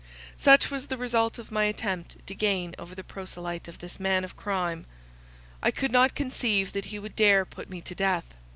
Such was the result of my attempt to gain over the proselyte of this man of crime; I could not conceive that he would dare put me to death.